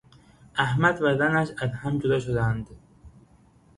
احمد و زنش از هم جدا شدهاند.